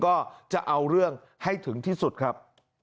ก็จะเอาเรื่องให้ถึงที่สุดครับ